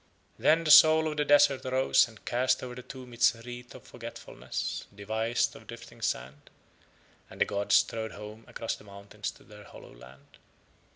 Then the soul of the desert arose and cast over the tomb its wreath of forgetfulness devised of drifting sand, and the gods strode home across the mountains to Their hollow land.